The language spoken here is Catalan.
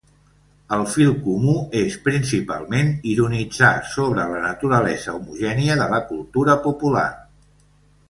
El fil comú és principalment ironitzar sobre la naturalesa homogènia de la cultura popular.